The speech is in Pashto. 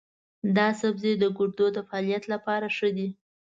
دا سبزی د ګردو د فعالیت لپاره ښه دی.